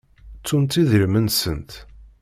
Ttunt idrimen-nsent.